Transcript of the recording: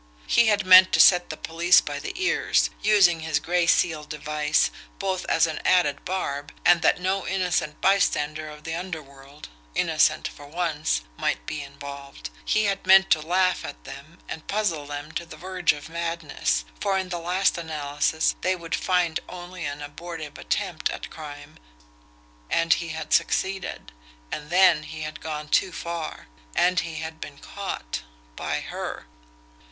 He had meant to set the police by the ears, using his gray seal device both as an added barb and that no innocent bystander of the underworld, innocent for once, might be involved he had meant to laugh at them and puzzle them to the verge of madness, for in the last analysis they would find only an abortive attempt at crime and he had succeeded. And then he had gone too far and he had been caught by HER.